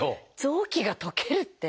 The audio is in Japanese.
臓器が溶けるって。